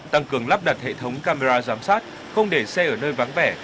tăng cường lắp đặt hệ thống camera giám sát không để xe ở nơi vắng vẻ